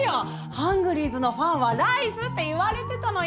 ハングリーズのファンはライスって言われてたのよ！